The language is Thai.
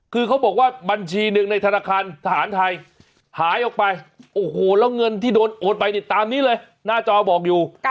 คือเขาบอกว่าบัญชีหนึ่งในธนาคารทหารไทยหายออกไปโอ้โหแล้วเงินที่โดนโอนไปเนี่ยตามนี้เลยหน้าจอบอกอยู่